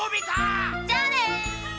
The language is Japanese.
じゃあね！